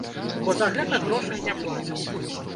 Бо за гэта грошай не плацяць.